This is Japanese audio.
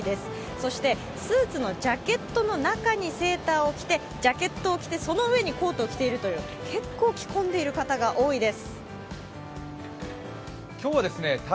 そしてスーツのジャケットの中にセーターを着てジャケットを着てその上にコートを着ているという結構着込んでいる方が多いです。